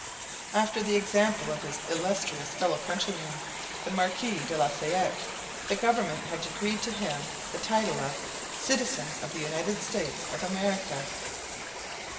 After the example of his illustrious fellow countryman, the Marquis de la Fayette, the government had decreed to him the title of "Citizen of the United States of America."